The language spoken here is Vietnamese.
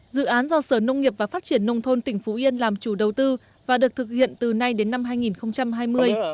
dự án do sở nông nghiệp và phát triển nông thôn tỉnh phú yên làm chủ đầu tư và được thực hiện từ nay đến năm hai nghìn hai mươi